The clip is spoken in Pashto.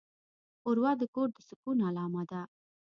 ښوروا د کور د سکون علامه ده.